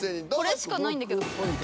これしかないんだけど。